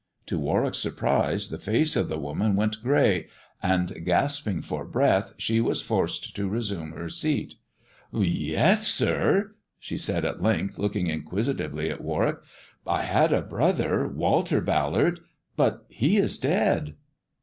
To Warwick's surprise the face of the woman went grey, and gasping for breath she was forced to resume her seat. " Yes, sir," she said at length, looking inquisitively at Warwick. " I had a brother, Walter Ballard ; but he is dead."